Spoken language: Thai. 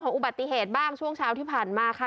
อุบัติเหตุบ้างช่วงเช้าที่ผ่านมาค่ะ